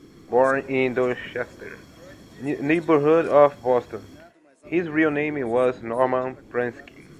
Born in the Dorchester neighborhood of Boston, his real name was Norman Pransky.